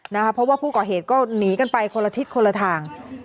เพราะว่าผู้ก่อเหตุก็หนีกันไปคนละทิศคนละทาง